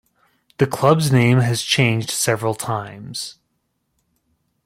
The club's name has changed several times.